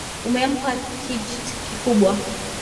Umempa kijti kikubwa